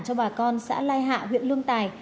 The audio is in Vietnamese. cho bà con xã lai hạ huyện lương tài